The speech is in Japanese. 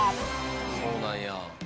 そうなんや。